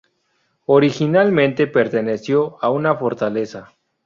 Originalmente perteneció a una fortaleza.